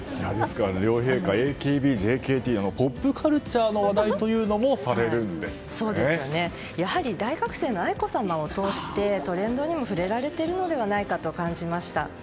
両陛下ＡＫＢ、ＪＫＴというポップカルチャーの話題というのもやはり大学生の愛子さまを通してトレンドにも触れられているのではないかと感じました。